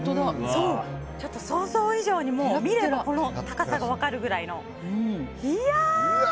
ちょっと想像以上に見れば高さが分かるくらいの。